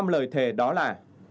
năm lời thề đó là